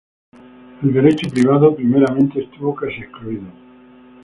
El Derecho privado primeramente estuvo casi excluido.